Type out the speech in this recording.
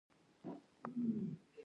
آتشفشانونه د ځمکې له ژورو برخو راټوکېږي.